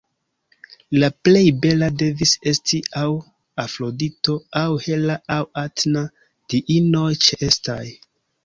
La plej bela devis esti aŭ Afrodito aŭ Hera aŭ Atena, diinoj ĉeestaj.